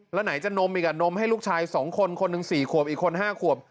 แล้วไหนจะนมอีกอ่ะนมให้ลูกชายสองคนคนหนึ่งสี่ขวบอีกคนห้าขวบ